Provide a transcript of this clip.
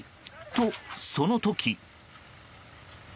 と、その時。